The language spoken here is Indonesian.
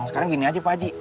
sekarang gini aja pak haji